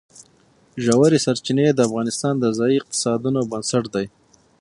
ژورې سرچینې د افغانستان د ځایي اقتصادونو بنسټ دی.